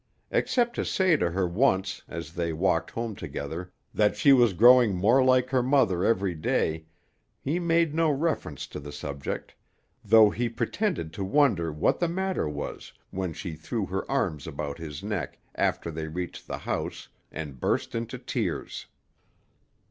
Except to say to her once, as they walked home together, that she was growing more like her mother every day, he made no reference to the subject, though he pretended to wonder what the matter was when she threw her arms about his neck after they reached the house, and burst into tears.